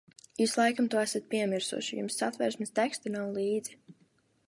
Jūs laikam to esat piemirsuši, jums Satversmes teksta nav līdzi.